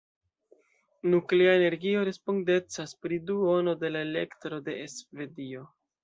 Nuklea energio respondecas pri duono de la elektro de Svedio.